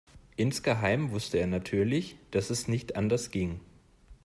Insgeheim wusste er natürlich, dass es nicht anders ging.